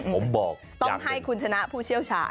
ผมบอกต้องให้คุณชนะผู้เชี่ยวชาญ